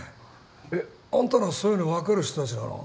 えっあんたらそういうのわかる人たちなの？